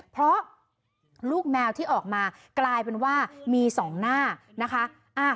เพราะลูกแมวที่ออกมากลายเป็นว่ามี๒หน้านะคะ